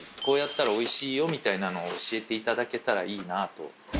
こうやったらおいしいよみたいなのを教えていただけたらいいなと。